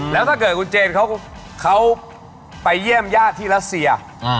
แล้วถ้าเกิดคุณเจนเขาไปเยี่ยมญาติที่รัสเซีย